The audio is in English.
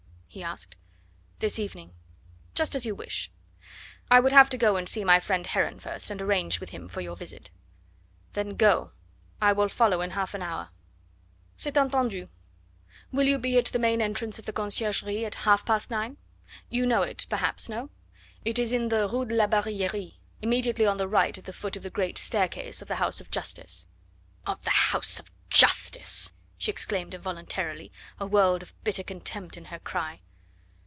he asked. "This evening." "Just as you wish. I would have to go and see my friend Heron first, and arrange with him for your visit." "Then go. I will follow in half an hour." "C'est entendu. Will you be at the main entrance of the Conciergerie at half past nine? You know it, perhaps no? It is in the Rue de la Barillerie, immediately on the right at the foot of the great staircase of the house of Justice." "Of the house of Justice!" she exclaimed involuntarily, a world of bitter contempt in her cry.